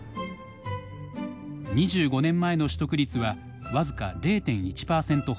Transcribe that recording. ２５年前の取得率は僅か０．１％ほど。